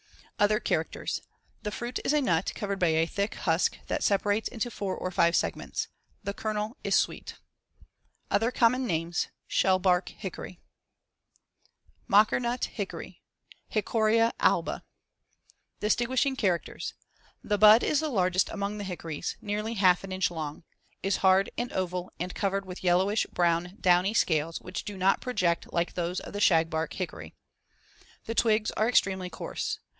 Other characters: The fruit is a nut covered by a thick husk that separates into 4 or 5 segments. The kernel is sweet. Other common names: Shellbark hickory. MOCKERNUT HICKORY (Hicoria alba) [Illustration: FIG. 68. Bark of the Shagbark Hickory.] Distinguishing characters: The *bud* is the largest among the hickories nearly half an inch long is hard and oval and covered with yellowish brown downy scales which do not project like those of the shagbark hickory, see Fig. 69. The twigs are extremely coarse.